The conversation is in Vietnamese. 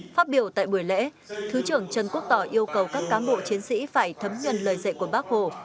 phát biểu tại buổi lễ thứ trưởng trần quốc tỏ yêu cầu các cán bộ chiến sĩ phải thấm nhuần lời dạy của bác hồ